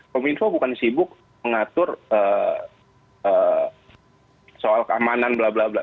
kominfo bukan sibuk mengatur soal keamanan bla bla bla